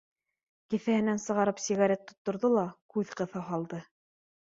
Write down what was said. Кеҫәһенән сығарып сигарет тотторҙо ла күҙ ҡыҫа һалды: